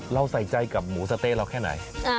เราใส่ใจกับหมูสะเต๊ะเราแค่ไหน